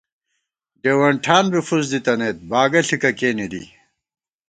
ڈېوَن ٹھان بی فُوس دِی تَنَئیت، باگہ ݪِکہ کېنےدی